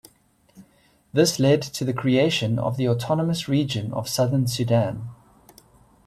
This led to the creation of the autonomous region of southern Sudan.